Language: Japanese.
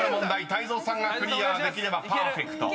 泰造さんがクリアできればパーフェクト］